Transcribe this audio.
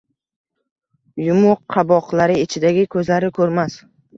Yumuq qaboqlari ichidagi ko’zlari ko’rmas.